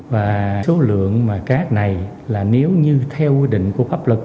và số lượng mà các này là nếu như theo quy định của pháp lực